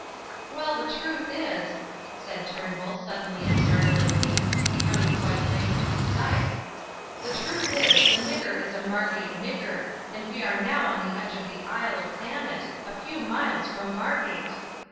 "Well, the truth is," said Turnbull, suddenly and startlingly, becoming quite grave and precise, "the truth is, the nigger is a Margate nigger, and we are now on the edge of the Isle of Thanet, a few miles from Margate."